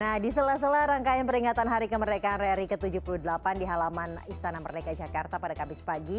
nah di sela sela rangkaian peringatan hari kemerdekaan ri ke tujuh puluh delapan di halaman istana merdeka jakarta pada kamis pagi